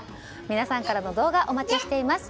皆さんからの動画お待ちしています。